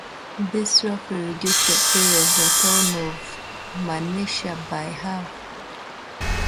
This roughly reduced the area of the Town of Menasha by half.